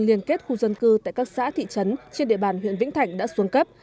liên kết khu dân cư tại các xã thị trấn trên địa bàn huyện vĩnh thạnh đã xuống cấp